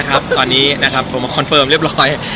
ตอนนี้โทรมาคอนเฟิร์มเรียบร้อย